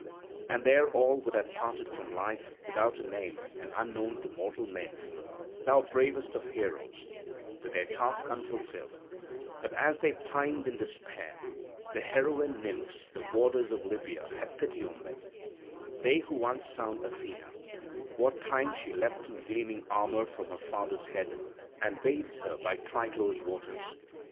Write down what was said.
And there all would have parted from life without a name and unknown to mortal men, those bravest of heroes, with their task unfulfilled; but as they pined in despair, the heroine nymphs, warders of Libya, had pity on them, they who once found Athena, what time she leapt in gleaming armour from her father's head, and bathed her by Trito's waters.